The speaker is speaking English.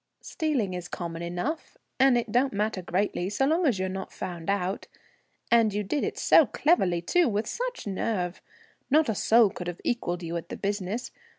"Stealing is common enough, and it don't matter greatly, so long as you're not found out. And you did it so cleverly too; with such a nerve. Not a soul could have equalled you at the business.